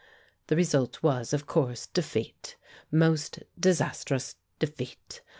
The result was, of course, defeat most disastrous defeat.